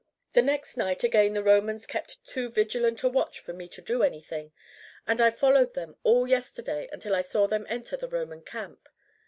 "The next night again the Romans kept too vigilant a watch for me to do anything, and I followed them all yesterday until I saw them enter the Roman camp.